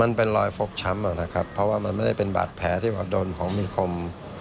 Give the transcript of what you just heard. มันเป็นรอยฟกช้ำนะครับเพราะว่ามันไม่ได้เป็นบาดแผลที่โดนของมีคม